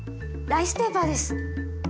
ライスペーパー？